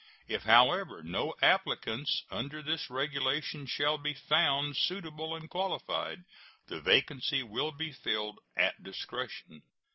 If, however, no applicants under this regulation shall be found suitable and qualified, the vacancy will be filled at discretion.